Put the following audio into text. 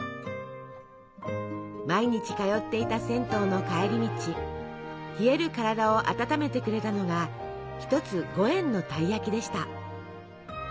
毎日通っていた銭湯の帰り道冷える体を温めてくれたのが１つ５円のたい焼きでした。